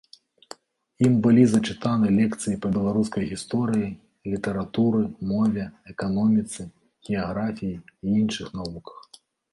Ім былі зачытаны лекцыі па беларускай гісторыі, літаратуры, мове, эканоміцы, геаграфіі і іншых навуках.